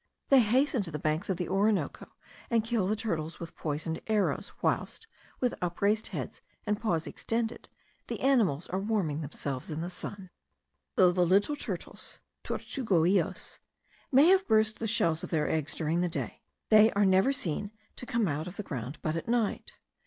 they hasten to the banks of the Orinoco, and kill the turtles with poisoned arrows, whilst, with upraised heads and paws extended, the animals are warming themselves in the sun. Though the little turtles (tortuguillos) may have burst the shells of their eggs during the day, they are never seen to come out of the ground but at night.